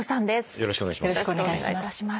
よろしくお願いします。